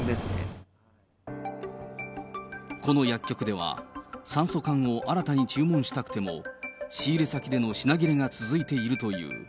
この薬局では、酸素缶を新たに注文したくても、仕入れ先での品切れが続いているという。